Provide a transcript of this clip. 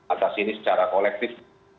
atas ini secara kolektif